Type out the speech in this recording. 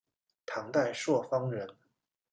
唐代朔方人。